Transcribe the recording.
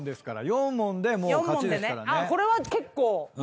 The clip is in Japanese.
４問でもう勝ちですからね。